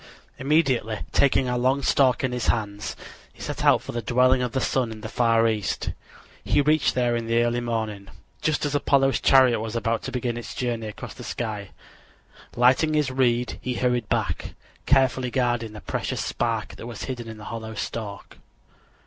Immediately, taking a long stalk in his hands, he set out for the dwelling of the sun in the far east. He reached there in the early morning, just as Apollo's chariot was about to begin its journey across the sky. Lighting his reed, he hurried back, carefully guarding the precious spark that was hidden in the hollow stalk.